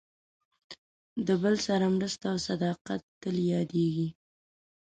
د بل سره مرسته او صداقت تل یادېږي.